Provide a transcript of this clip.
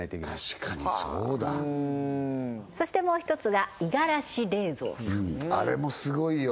確かにそうだそしてもう一つが五十嵐冷蔵さんあれもすごいよ